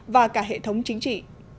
và cả hệ thống chính trị